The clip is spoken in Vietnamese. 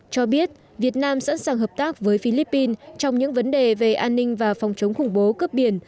cho biết việt nam sẵn sàng hợp tác với philippines trong những vấn đề về an ninh và phòng chống khủng bố cướp biển